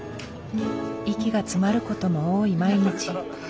息が詰まる事も多い毎日。